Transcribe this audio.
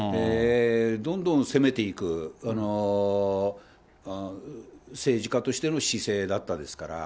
どんどん攻めていく政治家としての姿勢だったですから。